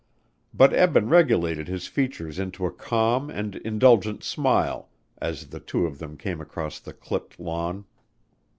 But Eben regulated his features into a calm and indulgent smile as the two of them came across the clipped lawn.